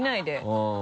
うん。